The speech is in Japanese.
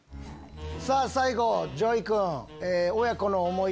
さぁ最後ＪＯＹ君。